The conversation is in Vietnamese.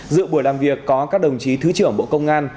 dự buổi làm việc có các đồng chí thứ trưởng bộ công an